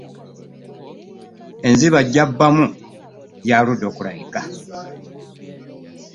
Enziba gy'abbamu yaaludde okulabika.